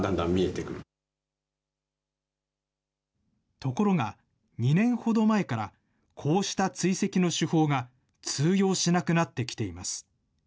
ところが、２年ほど前からこうした追跡の手法が通用しなくなってきています。